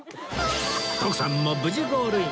徳さんも無事ゴールイン！